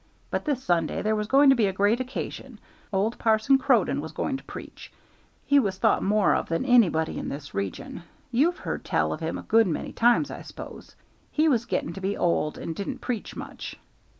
But this Sunday there was going to be a great occasion. Old Parson Croden was going to preach; he was thought more of than anybody in this region: you've heard tell of him a good many times, I s'pose. He was getting to be old, and didn't preach much.